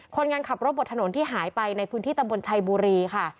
คนงานขับรถบนถนนที่หายไปในพื้นที่ตำบลชัยบุรีค่ะ